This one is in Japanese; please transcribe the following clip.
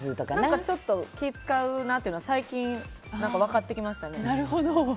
ちょっと気を使うなと最近分かってきましたね。